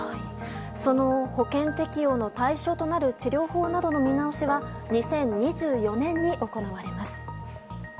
その保険適用の対象となる治療法などの見直しは２０２４年に行われます。